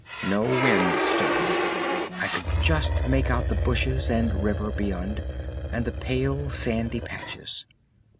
No wind stirred. I could just make out the bushes and river beyond, and the pale sandy patches.